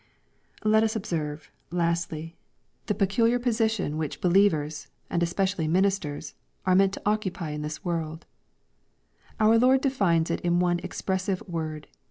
Let us observe, lastly, the peculiar position which i« 520 EXPOSITORY THOUGHTS IteverSy and especially ministers, are meant to occupy in this toorld. Our Lord defines it in one expressive word.